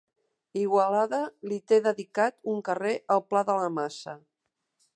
Igualada li té dedicat un carrer al Pla de la Massa.